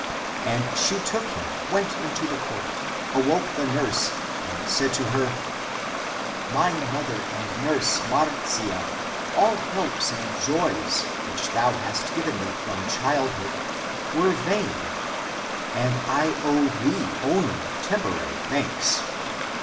And she took him, went into the court, awoke the nurse, and said to her, " My mother and nurse Marcia,^ all helps and joys, which thou hast given me from child hood, were vain, and I owe thee (only) temporary thanks.